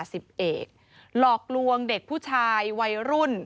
หลอกลวงเด็กผู้ชายวัยรุ่น